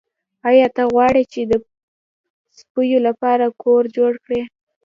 ایا ته غواړې چې د سپیو لپاره کور جوړ کړې